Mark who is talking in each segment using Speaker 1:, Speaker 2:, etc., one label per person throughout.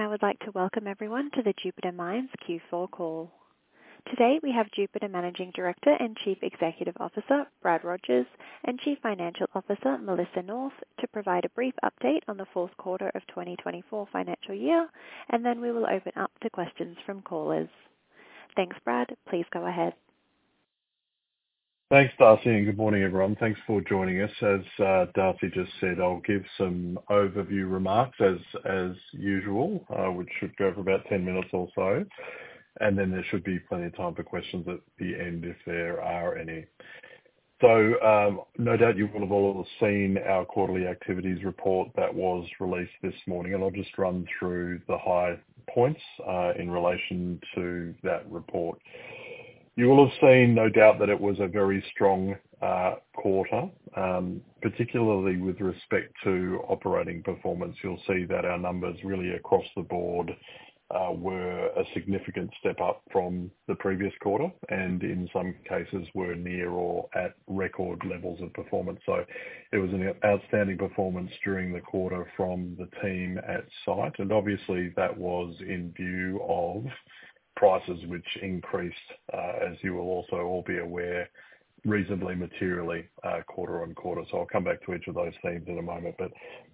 Speaker 1: I would like to welcome everyone to the Jupiter Mines Q4 call. Today, we have Jupiter Managing Director and Chief Executive Officer, Brad Rogers, and Chief Financial Officer, Melissa North, to provide a brief update on the fourth quarter of 2024 financial year, and then we will open up to questions from callers. Thanks, Brad. Please go ahead.
Speaker 2: Thanks, Darcy, and good morning, everyone. Thanks for joining us. As, Darcy just said, I'll give some overview remarks as usual, which should go for about 10 minutes or so, and then there should be plenty of time for questions at the end if there are any. So, no doubt you will have all seen our quarterly activities report that was released this morning, and I'll just run through the high points, in relation to that report. You will have seen, no doubt, that it was a very strong, quarter, particularly with respect to operating performance. You'll see that our numbers really across the board, were a significant step up from the previous quarter, and in some cases were near or at record levels of performance. So it was an outstanding performance during the quarter from the team at site, and obviously, that was in view of prices, which increased, as you will also all be aware, reasonably materially, quarter on quarter. So I'll come back to each of those themes in a moment. But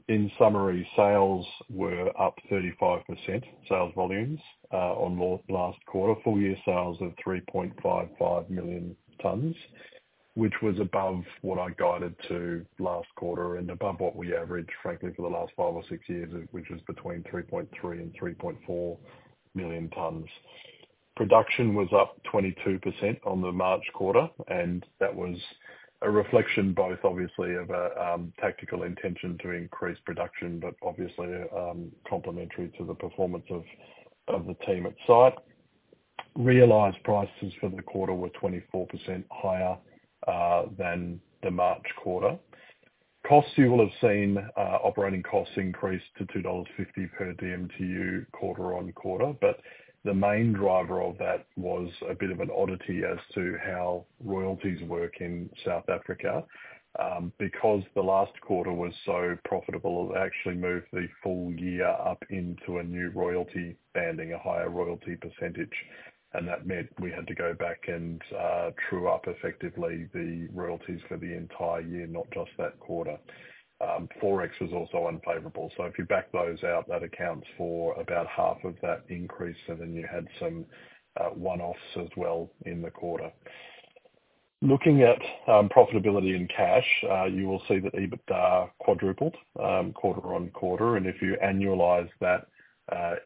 Speaker 2: in summary, sales were up 35% sales volumes, on last quarter. Full year sales of 3.55 million tons, which was above what I guided to last quarter and above what we averaged, frankly, for the last five or six years, which was between 3.3 and 3.4 million tons. Production was up 22% on the March quarter, and that was a reflection both obviously of a tactical intention to increase production, but obviously, complementary to the performance of the team at site. Realized prices for the quarter were 24% higher than the March quarter. Costs, you will have seen, operating costs increase to $2.50 per dmtu quarter-on-quarter, but the main driver of that was a bit of an oddity as to how royalties work in South Africa. Because the last quarter was so profitable, it actually moved the full year up into a new royalty banding, a higher royalty percentage, and that meant we had to go back and true up effectively the royalties for the entire year, not just that quarter. Forex was also unfavorable, so if you back those out, that accounts for about half of that increase, and then you had some one-offs as well in the quarter. Looking at profitability and cash, you will see that EBITDA quadrupled quarter-on-quarter, and if you annualize that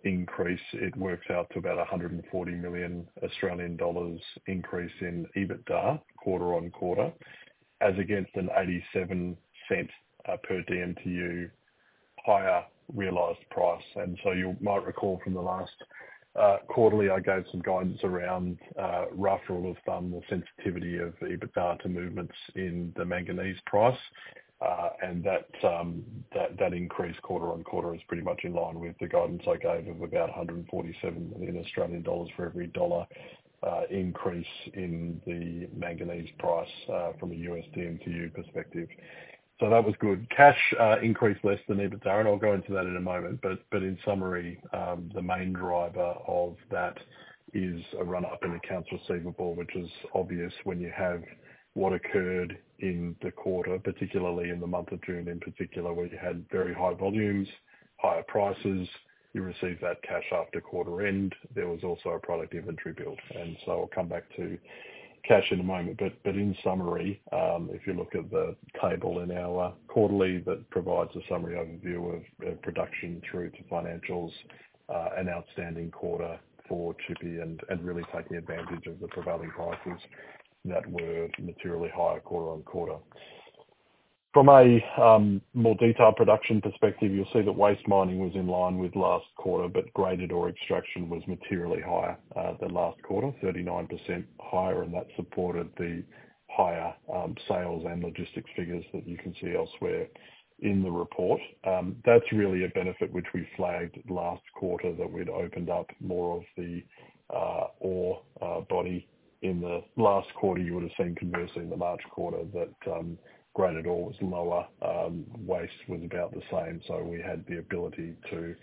Speaker 2: increase, it works out to about 140 million Australian dollars increase in EBITDA quarter-on-quarter, as against an $0.87 per dmtu higher realized price. And so you might recall from the last quarterly, I gave some guidance around rough rule of thumb, the sensitivity of EBITDA to movements in the manganese price, and that increased quarter-on-quarter is pretty much in line with the guidance I gave of about 147 million Australian dollars for every $1 increase in the manganese price from a USD dmtu perspective. So that was good. Cash increased less than EBITDA, and I'll go into that in a moment, but in summary, the main driver of that is a run-up in accounts receivable, which is obvious when you have what occurred in the quarter, particularly in the month of June, in particular, where you had very high volumes, higher prices; you received that cash after quarter end. There was also a product inventory build. And so I'll come back to cash in a moment, but in summary, if you look at the table in our quarterly that provides a summary overview of production through to financials, an outstanding quarter for Tshipi and really taking advantage of the prevailing prices that were materially higher quarter on quarter. From a more detailed production perspective, you'll see that waste mining was in line with last quarter, but graded ore extraction was materially higher than last quarter, 39% higher, and that supported the higher sales and logistics figures that you can see elsewhere in the report. That's really a benefit which we flagged last quarter that we'd opened up more of the ore body in the last quarter. You would've seen, conversely, in the March quarter, that graded ore was lower, waste was about the same, so we had the ability to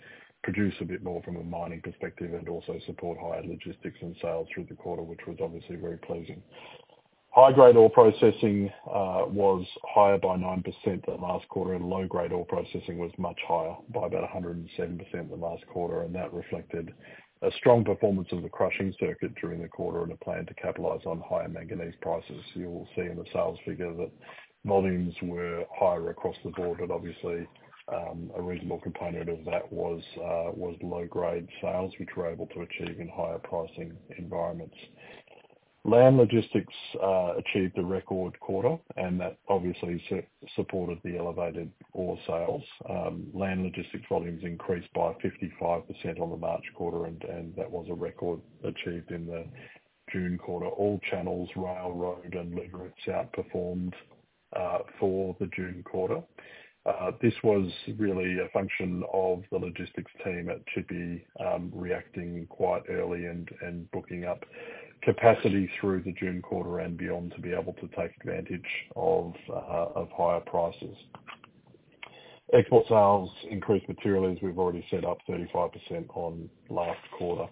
Speaker 2: produce a bit more from a mining perspective and also support higher logistics and sales through the quarter, which was obviously very pleasing. High-grade ore processing was higher by 9% than last quarter, and low-grade ore processing was much higher by about 107% than last quarter, and that reflected a strong performance of the crushing circuit during the quarter and a plan to capitalize on higher manganese prices. You will see in the sales figure that volumes were higher across the board, and obviously, a reasonable component of that was low-grade sales, which we're able to achieve in higher pricing environments. Land logistics achieved a record quarter, and that obviously supported the elevated ore sales. Land logistics volumes increased by 55% on the March quarter, and, and that was a record achieved in the June quarter. All channels, rail, road, and Lüderitz, outperformed for the June quarter. This was really a function of the logistics team at Tshipi reacting quite early and booking capacity through the June quarter and beyond to be able to take advantage of higher prices. Export sales increased materially, as we've already said, up 35% on last quarter.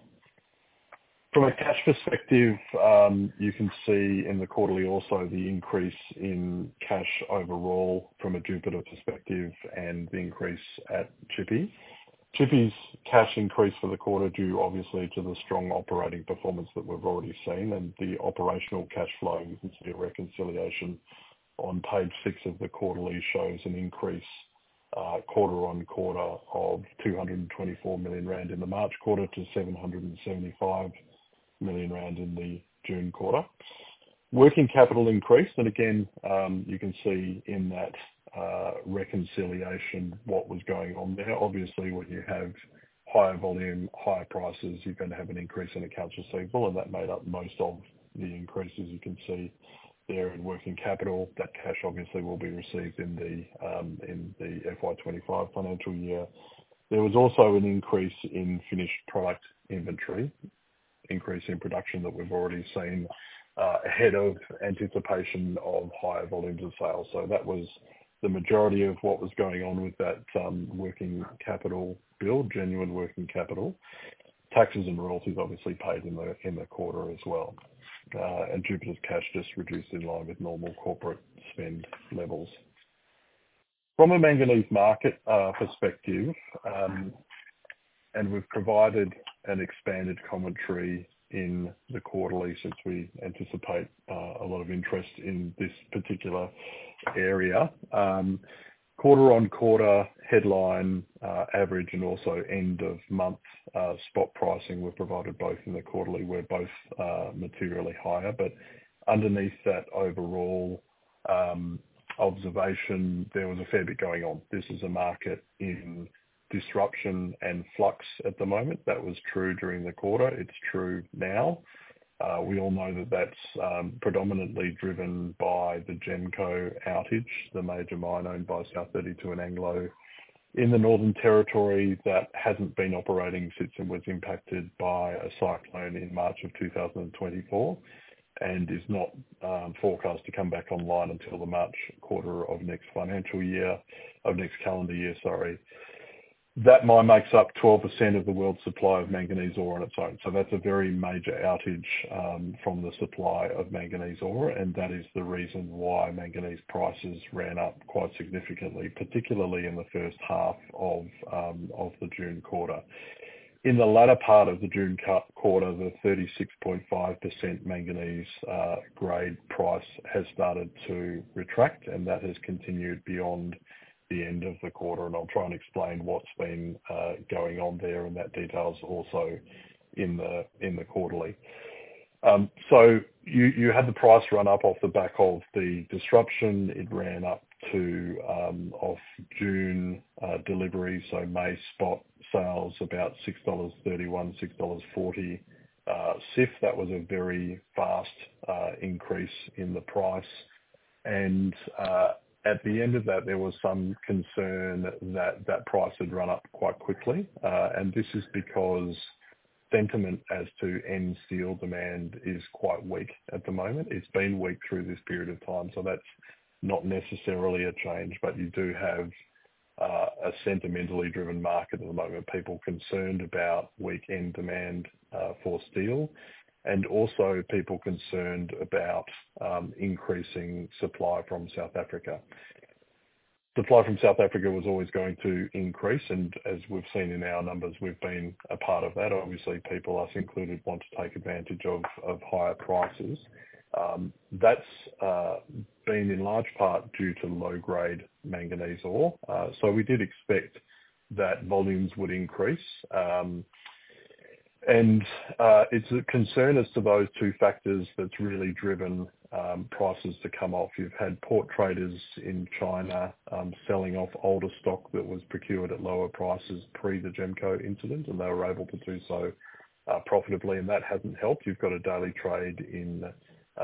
Speaker 2: From a cash perspective, you can see in the quarterly also the increase in cash overall from a Jupiter perspective and the increase at Tshipi. Tshipi's cash increase for the quarter, due obviously to the strong operating performance that we've already seen and the operational cash flow, you can see a reconciliation on page 6 of the quarterly, shows an increase quarter-over-quarter of 224 million rand in the March quarter to 775 million rand in the June quarter. Working capital increased, but again, you can see in that reconciliation what was going on there. Obviously, when you have higher volume, higher prices, you're gonna have an increase in accounts receivable, and that made up most of the increases. You can see there in working capital, that cash obviously will be received in the in the FY 25 financial year. There was also an increase in finished product inventory, increase in production that we've already seen, ahead of anticipation of higher volumes of sales. So that was the majority of what was going on with that working capital build, genuine working capital. Taxes and royalties obviously paid in the in the quarter as well. And Jupiter's cash just reduced in line with normal corporate spend levels. From a Manganese Market perspective, and we've provided an expanded commentary in the quarterly, since we anticipate a lot of interest in this particular area. Quarter-on-quarter headline average, and also end-of-month spot pricing were provided both in the quarterly, were both materially higher. But underneath that overall observation, there was a fair bit going on. This is a market in disruption and flux at the moment. That was true during the quarter. It's true now. We all know that that's predominantly driven by the GEMCO outage, the major mine owned by South32 and Anglo in the Northern Territory that hasn't been operating since it was impacted by a cyclone in March of 2024, and is not forecast to come back online until the March quarter of next financial year, of next calendar year, sorry. That mine makes up 12% of the world's supply of manganese ore on its own. So that's a very major outage from the supply of manganese ore, and that is the reason why manganese prices ran up quite significantly, particularly in the first half of the June quarter. In the latter part of the June quarter, the 36.5% manganese grade price has started to retract, and that has continued beyond the end of the quarter, and I'll try and explain what's been going on there, and that detail is also in the quarterly. So you had the price run up off the back of the disruption. It ran up to off June delivery, so May spot sales about $6.31-$6.40 CIF. That was a very fast increase in the price, and at the end of that, there was some concern that that price had run up quite quickly. This is because sentiment as to end steel demand is quite weak at the moment. It's been weak through this period of time, so that's not necessarily a change, but you do have a sentimentally driven market at the moment. People concerned about weak end demand for steel, and also people concerned about increasing supply from South Africa. Supply from South Africa was always going to increase, and as we've seen in our numbers, we've been a part of that. Obviously, people, us included, want to take advantage of higher prices. That's been in large part due to low-grade manganese ore. So we did expect that volumes would increase. And it's a concern as to those two factors that's really driven prices to come off. You've had port traders in China selling off older stock that was procured at lower prices pre the GEMCO incident, and they were able to do so profitably, and that hasn't helped. You've got a daily trade in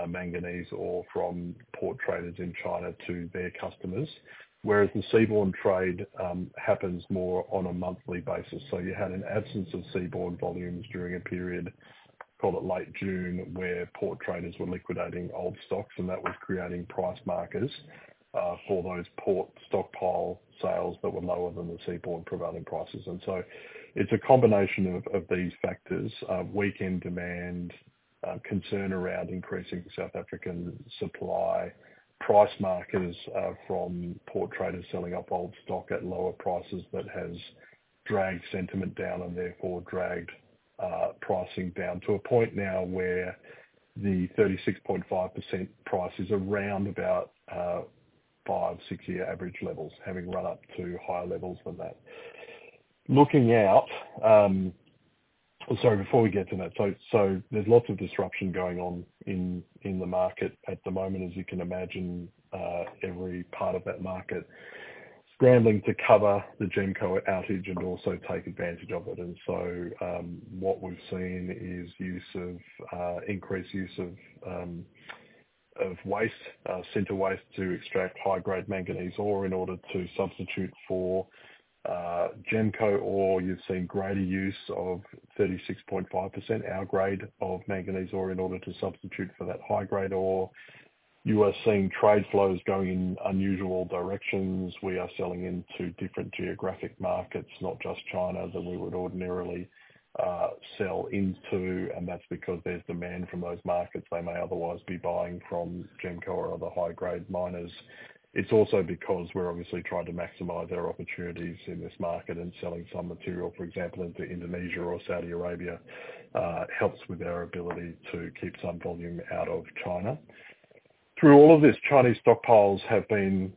Speaker 2: manganese ore from port traders in China to their customers, whereas the seaborne trade happens more on a monthly basis. So you had an absence of seaborne volumes during a period, call it late June, where port traders were liquidating old stocks, and that was creating price markers for those port stockpile sales that were lower than the seaborne prevailing prices. It's a combination of these factors, weak end demand, concern around increasing South African supply, price markers from port traders selling off old stock at lower prices, that has dragged sentiment down and therefore dragged pricing down to a point now where the 36.5% price is around about 5-6-year average levels, having run up to higher levels than that. Looking out... Sorry, before we get to that, there's lots of disruption going on in the market at the moment. As you can imagine, every part of that market scrambling to cover the GEMCO outage and also take advantage of it. What we've seen is increased use of waste center waste to extract high-grade manganese ore in order to substitute for GEMCO ore. You've seen greater use of 36.5%, our grade of manganese ore, in order to substitute for that high-grade ore. You are seeing trade flows going in unusual directions. We are selling into different geographic markets, not just China, that we would ordinarily sell into, and that's because there's demand from those markets they may otherwise be buying from GEMCO or other high-grade miners. It's also because we're obviously trying to maximize our opportunities in this market and selling some material, for example, into Indonesia or Saudi Arabia, helps with our ability to keep some volume out of China. Through all of this, Chinese stockpiles have been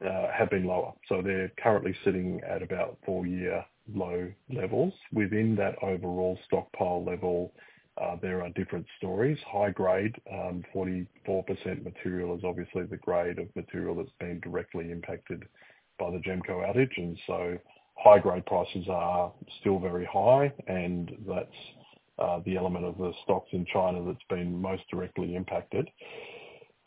Speaker 2: lower, so they're currently sitting at about four-year low levels. Within that overall stockpile level, there are different stories. High-grade 44% material is obviously the grade of material that's been directly impacted by the GEMCO outage, and so high-grade prices are still very high, and that's the element of the stocks in China that's been most directly impacted.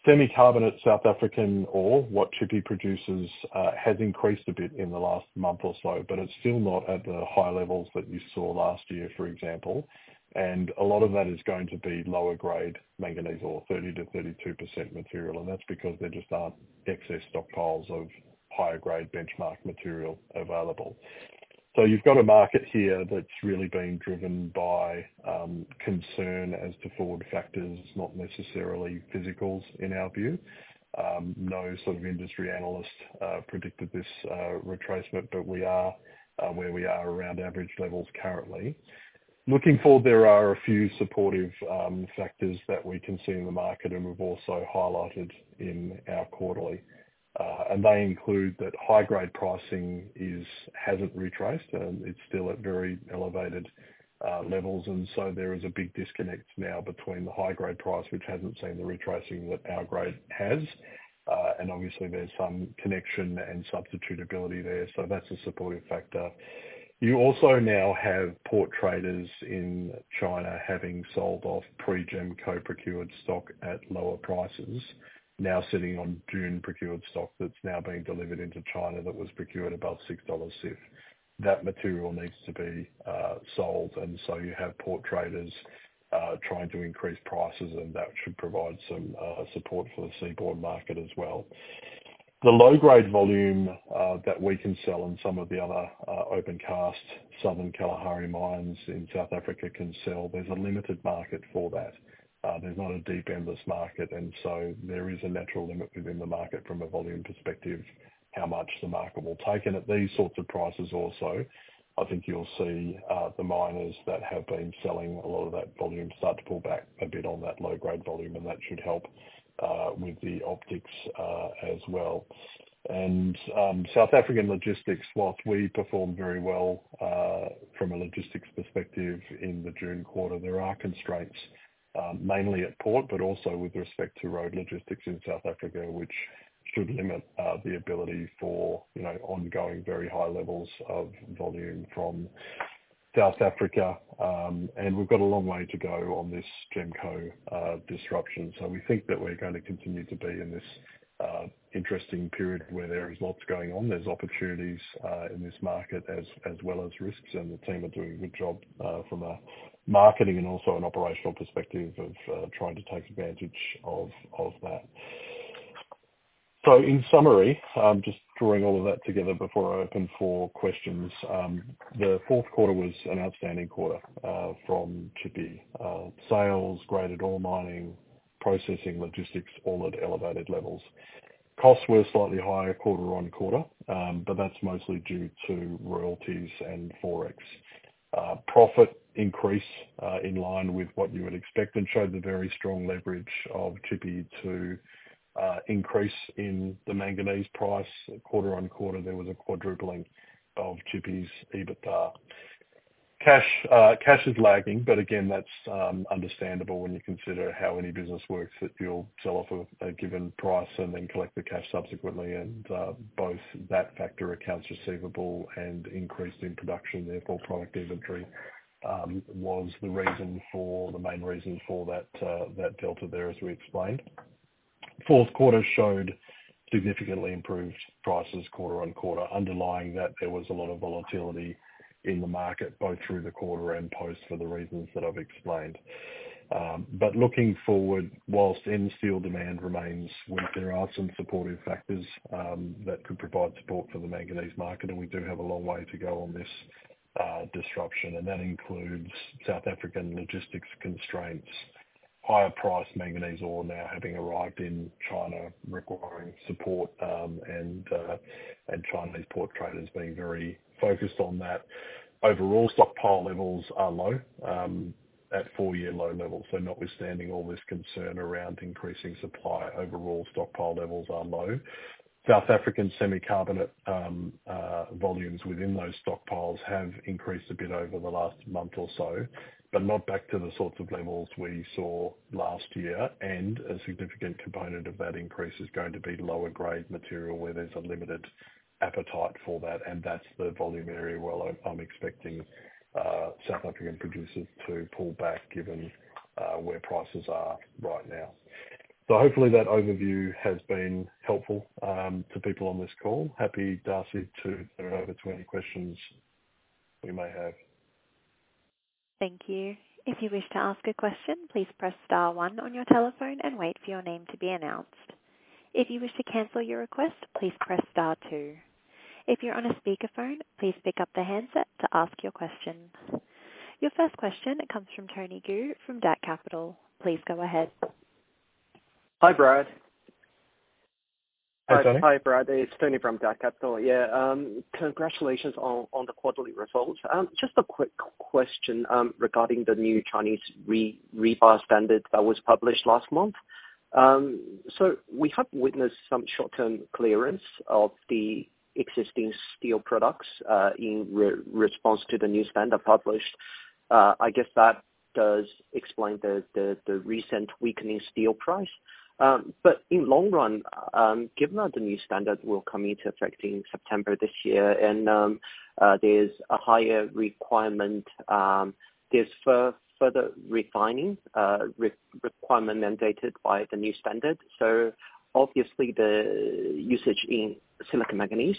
Speaker 2: Semi-carbonate South African ore, what Tshipi produces, has increased a bit in the last month or so, but it's still not at the high levels that you saw last year, for example, and a lot of that is going to be lower grade manganese ore, 30%-32% material, and that's because there just aren't excess stockpiles of higher grade benchmark material available. So you've got a market here that's really being driven by concern as to forward factors, not necessarily physicals, in our view. No sort of industry analyst predicted this retracement, but we are where we are around average levels currently. Looking forward, there are a few supportive factors that we can see in the market and we've also highlighted in our quarterly. And they include that high-grade pricing hasn't retraced, and it's still at very elevated levels, and so there is a big disconnect now between the high-grade price, which hasn't seen the retracing that our grade has. And obviously, there's some connection and substitutability there, so that's a supportive factor. You also now have port traders in China having sold off pre-GEMCO procured stock at lower prices, now sitting on June procured stock that's now being delivered into China that was procured above $6 CIF. That material needs to be sold, and so you have port traders trying to increase prices, and that should provide some support for the seaboard market as well. The low-grade volume that we can sell and some of the other open cast Southern Kalahari mines in South Africa can sell, there's a limited market for that. There's not a deep endless market, and so there is a natural limit within the market from a volume perspective, how much the market will take. At these sorts of prices also, I think you'll see the miners that have been selling a lot of that volume start to pull back a bit on that low-grade volume, and that should help with the optics as well. South African logistics, while we performed very well from a logistics perspective in the June quarter, there are constraints, mainly at port, but also with respect to road logistics in South Africa, which should limit the ability for, you know, ongoing, very high levels of volume from South Africa. And we've got a long way to go on this GEMCO disruption. So we think that we're going to continue to be in this interesting period where there is lots going on. There's opportunities in this market as, as well as risks, and the team are doing a good job from a marketing and also an operational perspective of trying to take advantage of that. So in summary, I'm just drawing all of that together before I open for questions. The fourth quarter was an outstanding quarter from Tshipi. Sales, graded ore mining, processing, logistics, all at elevated levels. Costs were slightly higher quarter-on-quarter, but that's mostly due to royalties and Forex. Profit increase in line with what you would expect and showed the very strong leverage of Tshipi to increase in the manganese price. Quarter-on-quarter, there was a quadrupling of Tshipi's EBITDA. Cash is lagging, but again, that's understandable when you consider how any business works, that you'll sell off a given price and then collect the cash subsequently. And both that factor, accounts receivable and increase in production, therefore product inventory, was the main reason for that delta there, as we explained. Fourth quarter showed significantly improved prices quarter-on-quarter. Underlying that, there was a lot of volatility in the market, both through the quarter and post, for the reasons that I've explained. But looking forward, whilst end steel demand remains weak, there are some supportive factors that could provide support for the manganese market, and we do have a long way to go on this disruption, and that includes South African logistics constraints, higher price manganese ore now having arrived in China, requiring support, and and Chinese port traders being very focused on that. Overall, stockpile levels are low at four-year low levels. So notwithstanding all this concern around increasing supply, overall stockpile levels are low. South African semi-carbonate volumes within those stockpiles have increased a bit over the last month or so, but not back to the sorts of levels we saw last year. And a significant component of that increase is going to be lower grade material, where there's a limited appetite for that, and that's the volume area where I, I'm expecting, South African producers to pull back, given, where prices are right now. So hopefully that overview has been helpful, to people on this call. Happy to answer to, over to any questions you may have.
Speaker 1: Thank you. If you wish to ask a question, please press star one on your telephone and wait for your name to be announced. If you wish to cancel your request, please press star two. If you're on a speakerphone, please pick up the handset to ask your question. Your first question comes from Tony Gu from Datt Capital. Please go ahead.
Speaker 3: Hi, Brad.
Speaker 2: Hi, Tony.
Speaker 3: Hi, Brad, it's Tony from Datt Capital. Yeah, congratulations on the quarterly results. Just a quick question regarding the new Chinese rebar standard that was published last month. So we have witnessed some short-term clearance of the existing steel products in response to the new standard published. I guess that does explain the recent weakening steel price. But in long run, given that the new standard will come into effect in September this year, and there's a higher requirement, there's further refining requirement mandated by the new standard. So obviously, the usage in silicon manganese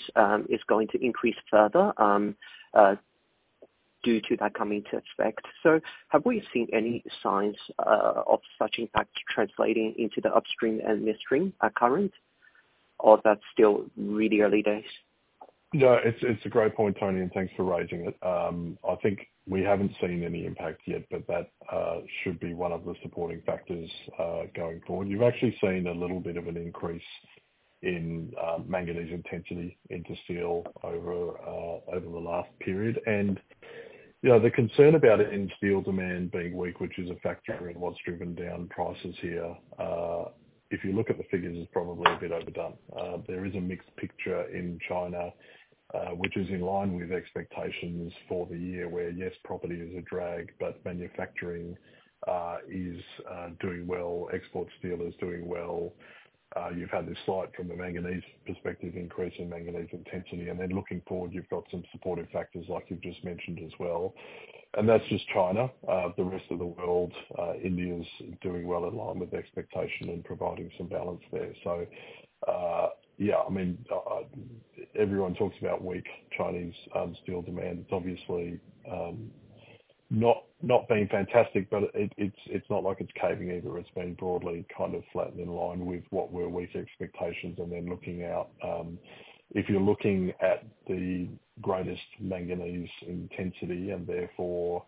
Speaker 3: is going to increase further due to that coming to effect. So have we seen any signs of such impact translating into the upstream and midstream at current, or that's still really early days?
Speaker 2: No, it's a great point, Tony, and thanks for raising it. I think we haven't seen any impact yet, but that should be one of the supporting factors going forward. You've actually seen a little bit of an increase in manganese intensity into steel over the last period. And, you know, the concern about it in steel demand being weak, which is a factor in what's driven down prices here, if you look at the figures, is probably a bit overdone. There is a mixed picture in China, which is in line with expectations for the year, where, yes, property is a drag, but manufacturing is doing well. Export steel is doing well. You've had this slight, from a manganese perspective, increase in manganese intensity, and then looking forward, you've got some supporting factors like you've just mentioned as well. And that's just China. The rest of the world, India's doing well in line with expectation and providing some balance there. So, yeah, I mean, everyone talks about weak Chinese steel demand. It's obviously not being fantastic, but it's not like it's caving either. It's been broadly kind of flattened in line with what were weak expectations. And then looking out, if you're looking at the greatest manganese intensity and therefore,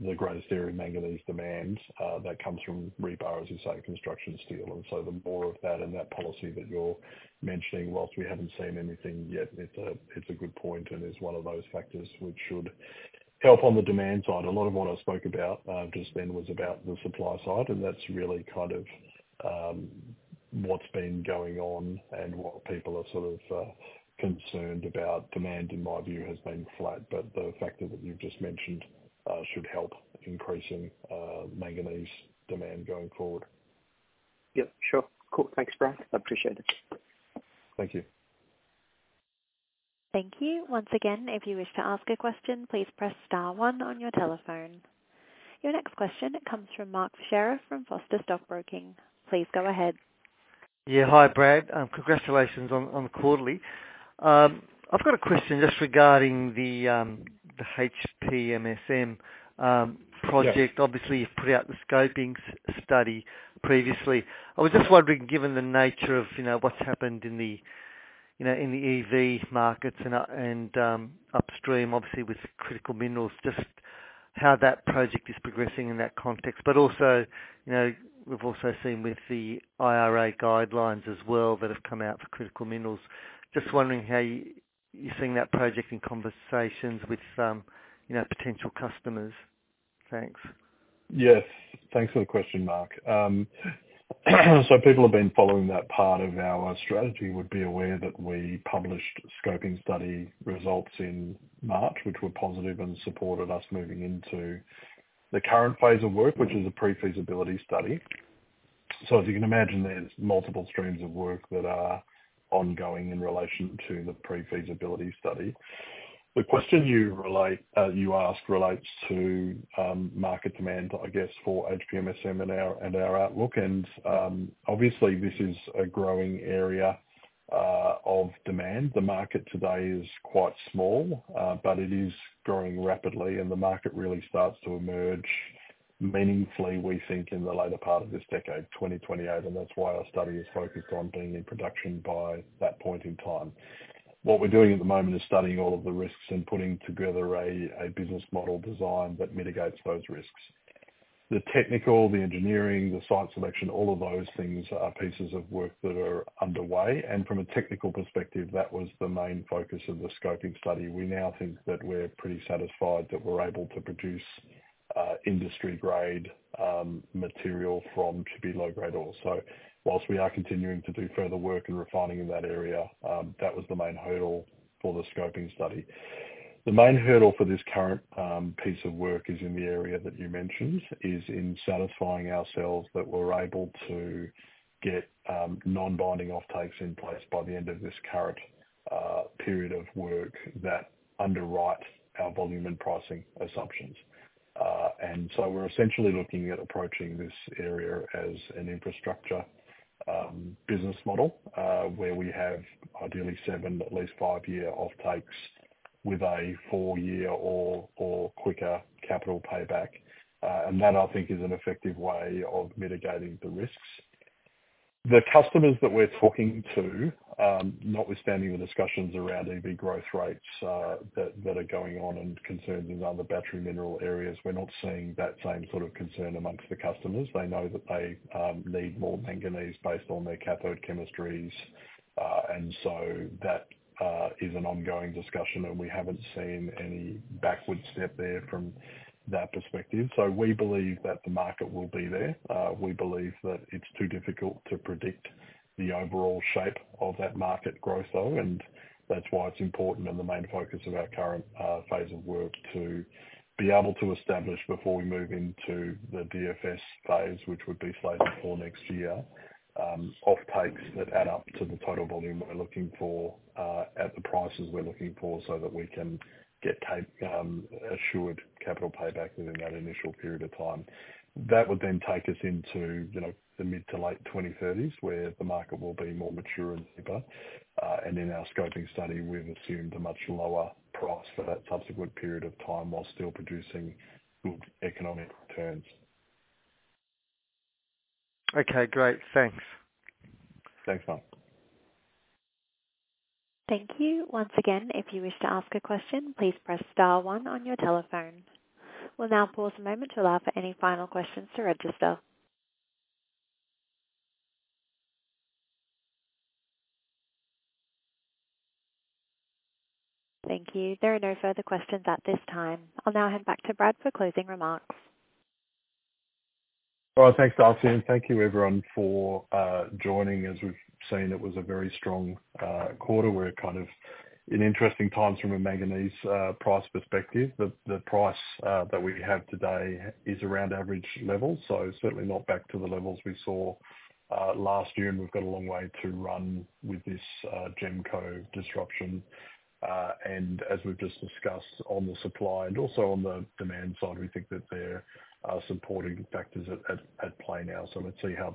Speaker 2: the greatest area of manganese demand, that comes from Rebar, as you say, construction steel, and so the more of that and that policy that you're mentioning, while we haven't seen anything yet, it's a, it's a good point, and it's one of those factors which should help on the demand side. A lot of what I spoke about, just then, was about the supply side, and that's really kind of, what's been going on and what people are sort of, concerned about. Demand, in my view, has been flat, but the factor that you've just mentioned, should help increasing, manganese demand going forward.
Speaker 3: Yep, sure. Cool. Thanks, Brad. I appreciate it.
Speaker 2: Thank you.
Speaker 1: Thank you. Once again, if you wish to ask a question, please press star one on your telephone. Your next question comes from Mark Fichera from Foster Stockbroking. Please go ahead.
Speaker 4: Yeah. Hi, Brad. Congratulations on the quarterly. I've got a question just regarding the HPMSM project.
Speaker 2: Yes.
Speaker 4: Obviously, you've put out the scoping study previously. I was just wondering, given the nature of, you know, what's happened in the, you know, in the EV markets and upstream, obviously with critical minerals, just how that project is progressing in that context, but also, you know, we've also seen with the IRA guidelines as well, that have come out for critical minerals. Just wondering how you're seeing that project in conversations with, you know, potential customers. Thanks.
Speaker 2: Yes. Thanks for the question, Mark. So people who have been following that part of our strategy would be aware that we published scoping study results in March, which were positive and supported us moving into the current phase of work, which is a pre-feasibility study. So as you can imagine, there's multiple streams of work that are ongoing in relation to the pre-feasibility study. The question you raised, you asked relates to market demand, I guess, for HPMSM and our, and our outlook, and obviously this is a growing area of demand. The market today is quite small, but it is growing rapidly, and the market really starts to emerge meaningfully, we think, in the later part of this decade, 2028, and that's why our study is focused on being in production by that point in time. What we're doing at the moment is studying all of the risks and putting together a business model design that mitigates those risks. The technical, the engineering, the site selection, all of those things are pieces of work that are underway. From a technical perspective, that was the main focus of the scoping study. We now think that we're pretty satisfied that we're able to produce industry-grade material from pretty low-grade ore. So whilst we are continuing to do further work and refining in that area, that was the main hurdle for the scoping study. The main hurdle for this current piece of work is in the area that you mentioned, is in satisfying ourselves that we're able to get non-binding offtakes in place by the end of this current period of work that underwrite our volume and pricing assumptions. We're essentially looking at approaching this area as an infrastructure business model, where we have ideally seven, at least 5-year offtakes, with a 4-year or quicker capital payback. That, I think, is an effective way of mitigating the risks. The customers that we're talking to, notwithstanding the discussions around EV growth rates, that are going on, and concerns in other battery mineral areas, we're not seeing that same sort of concern among the customers. They know that they need more manganese based on their cathode chemistries. That is an ongoing discussion, and we haven't seen any backward step there from that perspective. We believe that the market will be there. We believe that it's too difficult to predict the overall shape of that market growth, though, and that's why it's important and the main focus of our current phase of work, to be able to establish before we move into the DFS phase, which would be slated for next year, offtakes that add up to the total volume we're looking for, at the prices we're looking for, so that we can get assured capital payback within that initial period of time. That would then take us into, you know, the mid- to late-2030s, where the market will be more mature and deeper. And in our scoping study, we've assumed a much lower price for that subsequent period of time, while still producing good economic returns.
Speaker 4: Okay, great. Thanks.
Speaker 2: Thanks, Mark.
Speaker 1: Thank you. Once again, if you wish to ask a question, please press star one on your telephone. We'll now pause a moment to allow for any final questions to register. Thank you. There are no further questions at this time. I'll now hand back to Brad for closing remarks.
Speaker 2: All right, thanks, Darcy, and thank you everyone for joining. As we've seen, it was a very strong quarter. We're kind of in interesting times from a manganese price perspective. The price that we have today is around average levels, so certainly not back to the levels we saw last year, and we've got a long way to run with this GEMCO disruption. And as we've just discussed on the supply and also on the demand side, we think that there are supporting factors at play now. So let's see how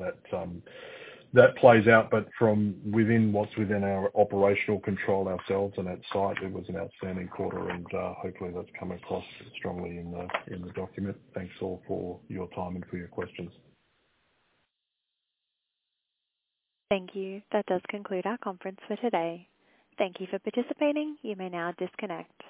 Speaker 2: that plays out. But from within, what's within our operational control ourselves and that site, it was an outstanding quarter, and hopefully that's come across strongly in the document. Thanks, all, for your time and for your questions.
Speaker 1: Thank you. That does conclude our conference for today. Thank you for participating. You may now disconnect.